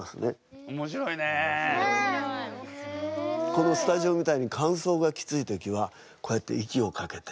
このスタジオみたいにかんそうがきつい時はこうやって息をかけて。